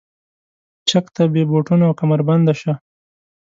چک ته بې بوټونو او کمربنده شه.